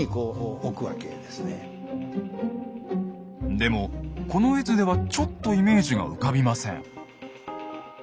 でもこの絵図ではちょっとイメージが浮かびません。